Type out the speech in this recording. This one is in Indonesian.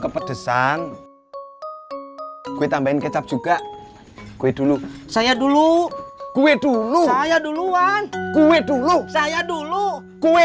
pedesan gue tambahin kecap juga gue dulu saya dulu gue dulu saya duluan gue dulu saya dulu gue